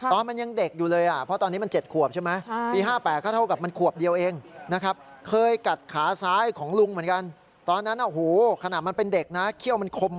ตอนมันยังเด็กอยู่เลยเพราะตอนนี้มัน๗ขวบใช่ไหม